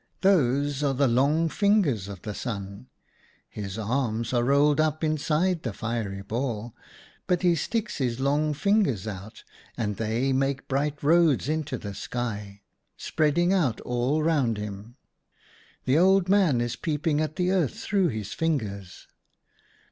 "Those are the long fingers of the Sun. His arms are rolled up inside the fiery ball, but he sticks his long fingers out and they make bright roads into the sky, spreading out all round him. The Old Man is peeping at the earth through his fingers.